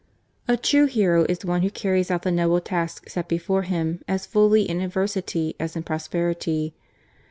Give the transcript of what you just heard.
A TRUE hero is one who carries out the noble task set before him, as fully in adversity as in prosperity.